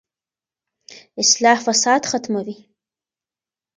اصلاح فساد ختموي.